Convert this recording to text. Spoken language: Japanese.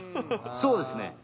そうですね。